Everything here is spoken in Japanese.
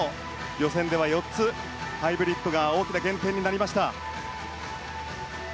予選では４つ、ハイブリッドが大きな減点になりました。